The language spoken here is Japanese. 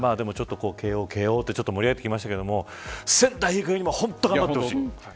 慶応、慶応と盛り上げてきましたけれども仙台育英にも本当に頑張ってほしい。